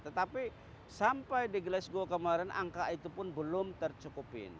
tetapi sampai di glasgow kemarin angka itu pun belum tercukupin